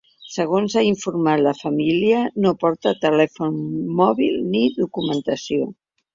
Segons ha informat la família, no porta telèfon mòbil ni documentació.